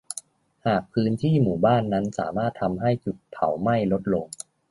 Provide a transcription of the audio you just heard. หากพื้นที่หมู่บ้านนั้นสามารถทำให้จุดเผาไหม้ลดลง